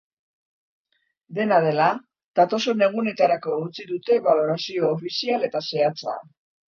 Dena dela, datozen egunetarako utzi dute balorazio ofizial eta zehatza.